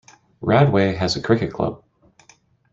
Radway has a cricket club.